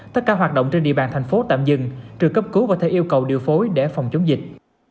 tất cả hoạt động trên địa bàn thành phố tạm dừng trừ cấp cứu và theo yêu cầu điều phối để phòng chống dịch